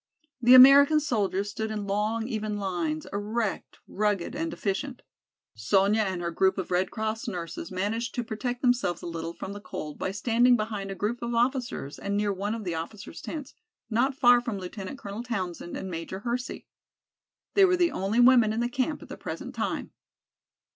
The American soldiers stood in long, even lines, erect, rugged and efficient. Sonya and her group of Red Cross nurses managed to protect themselves a little from the cold by standing behind a group of officers and near one of the officer's tents, not far from Lieutenant Colonel Townsend and Major Hersey. They were the only women in the camp at the present time.